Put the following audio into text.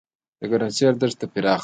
د ګرمسیر دښتې پراخې دي